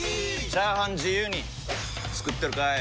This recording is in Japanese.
チャーハン自由に作ってるかい！？